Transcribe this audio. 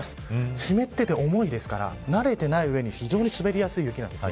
湿ってて、重いですから慣れてない上に非常に滑りやすい雪なんです。